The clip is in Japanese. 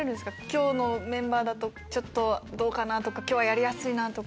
今日のメンバーどうかなとか今日はやりやすいなとか。